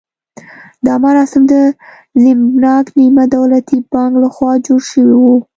دا مراسم د زیمبانک نیمه دولتي بانک لخوا جوړ شوي وو.